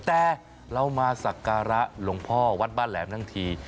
แต่เรามาสักการะหลวงพ่อวัดบ้านแหลมทั้งที